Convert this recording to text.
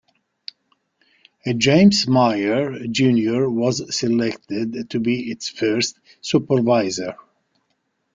James Myer, Junior was selected to be its first Supervisor.